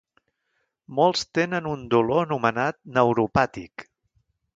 Molts tenen un dolor anomenat neuropàtic.